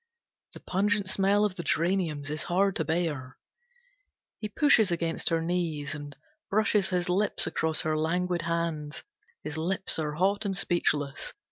The pungent smell of the geraniums is hard to bear. He pushes against her knees, and brushes his lips across her languid hands. His lips are hot and speechless.